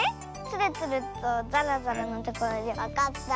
つるつるとザラザラのところでわかった。